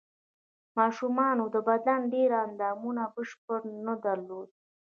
ماشومانو د بدن ډېر اندامونه بشپړ نه درلودل.